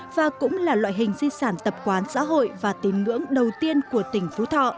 và cũng là loại hình di sản tập quán xã hội và tín ngưỡng đầu tiên của tỉnh phú thọ